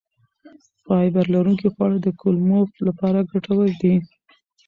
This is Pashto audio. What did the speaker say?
فایبر لرونکي خواړه د کولمو لپاره ګټور دي.